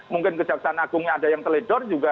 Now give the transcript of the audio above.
mungkin kejaksaan agungnya ada yang teledor juga